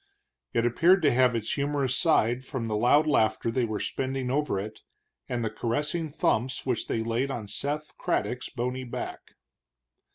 It appeared to have its humorous side from the loud laughter they were spending over it, and the caressing thumps which they laid on Seth Craddock's bony back.